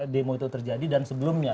demo itu terjadi dan sebelumnya